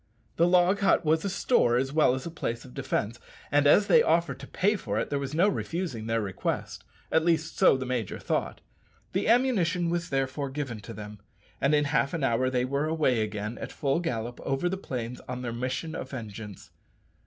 The log hut was a store as well as a place of defence, and as they offered to pay for it there was no refusing their request at least so the major thought. The ammunition was therefore given to them, and in half an hour they were away again at full gallop over the plains on their mission of vengeance.